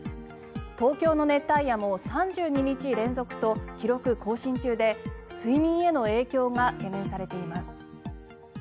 東京の熱帯夜も３２日連続と記録更新中で睡眠への影響が懸念されています。